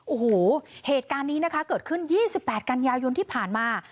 โอ้โหเหตุการณ์นี้นะคะเกิดขึ้น๒๘กันยายนที่ผ่านมา